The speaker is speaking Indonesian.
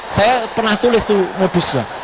saya pernah tulis tuh modusnya